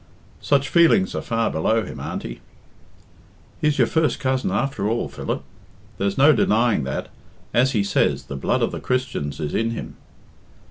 "Such feelings are far below him, Auntie." "He's your first cousin after all, Philip. There's no denying that. As he says, the blood of the Christians is in him."